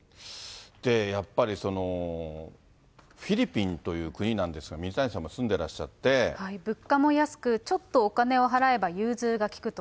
やっぱり、フィリピンという国なんですが、物価も安く、ちょっとお金を払えば融通が利くと。